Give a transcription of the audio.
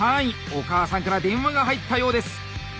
お母さんから電話が入ったようです。